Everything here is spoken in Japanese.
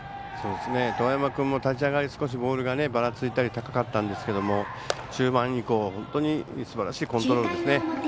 當山君も立ち上がり、ボールがばらついたり高かったんですが中盤以降、すばらしいコントロールですね。